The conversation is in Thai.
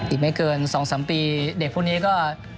อีกไม่เกิน๒๓ปีเด็กพวกนี้ก็